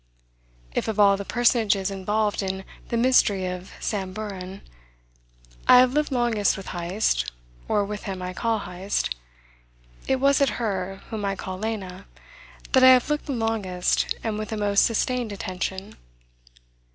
If of all the personages involved in the "mystery of Samburan" I have lived longest with Heyst (or with him I call Heyst) it was at her, whom I call Lena, that I have looked the longest and with a most sustained attention.